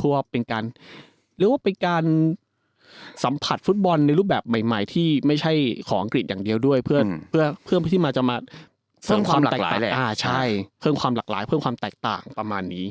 ก็เป็นการสัมผัสฟุตบอลในรูปแบบใหม่ที่ไม่ใช่ของอังกฤษอย่างเดียวด้วยเพื่อที่จะมาเพิ่มความหลากหลายและเพิ่มความแตกต่างประมาณนี้